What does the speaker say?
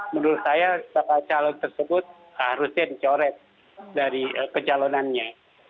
menurut saya bakal calon tersebut harusnya dicoret dari kecalonannya